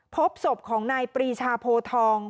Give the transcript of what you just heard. พบศพของหน้าปีชโพทอง